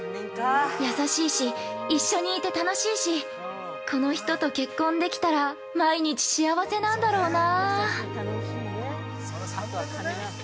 優しいし、一緒にいて楽しいしこの人と結婚できたら毎日、幸せなんだろうな◆